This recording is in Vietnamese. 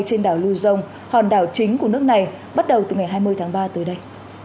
trên đảo luzon hòn đảo chính của nước này bắt đầu từ ngày hai mươi tháng ba tới đây